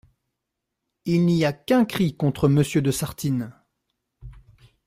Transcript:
Il n'y a qu'un cri contre Monsieur de Sartine.